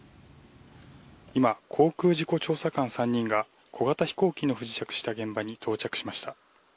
今、航空事故調査官３人が小型飛行機の不時着した現場に到着しました。